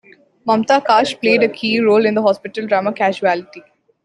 Mamta Kaash played a key role in the hospital drama "Casualty".